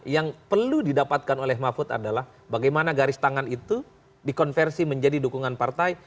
yang perlu didapatkan oleh mahfud adalah bagaimana garis tangan itu dikonversi menjadi dukungan partai